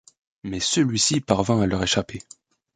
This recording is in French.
Mais celui-ci parvint à leur échapper.